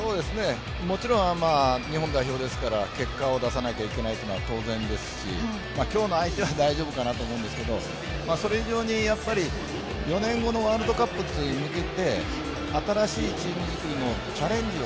もちろん日本代表ですから結果を出さなければいけないのは当然ですし今日の相手は大丈夫かなと思うんですがそれ以上にやっぱり４年後のワールドカップに向けて新しいチーム作りのチャレンジ